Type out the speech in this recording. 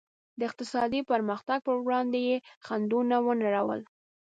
د اقتصادي پرمختګ پر وړاندې یې خنډونه ونړول.